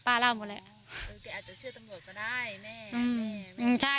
เล่าหมดแล้วเออแกอาจจะเชื่อตำรวจก็ได้แม่แม่ใช่